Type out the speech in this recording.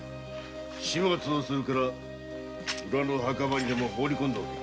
始末をするから裏の墓場にほうりこんでおけ。